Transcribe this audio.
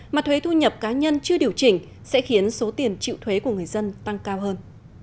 mà thuế thu nhập cá nhân chưa điều chỉnh sẽ khiến số tiền chịu thuế của người dân tăng cao hơn